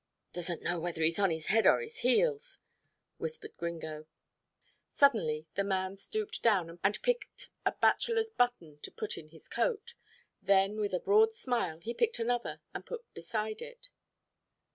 "Doesn't know whether he's on his head or his heels," whispered Gringo. Suddenly the man stooped down, and picked a bachelor's button to put in his coat. Then with a broad smile, he picked another, and put beside it.